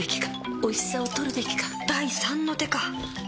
第三の手か！